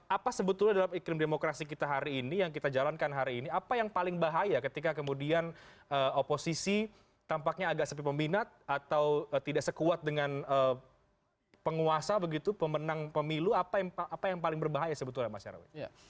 apa sebetulnya dalam iklim demokrasi kita hari ini yang kita jalankan hari ini apa yang paling bahaya ketika kemudian oposisi tampaknya agak sepi peminat atau tidak sekuat dengan penguasa begitu pemenang pemilu apa yang paling berbahaya sebetulnya mas nyarawi